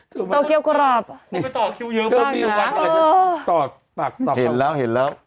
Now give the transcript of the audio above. โตเกียวกรอบนี่ก็ต่อคิวเยอะก็มีวันก่อนตอบเห็นแล้วเห็นแล้ว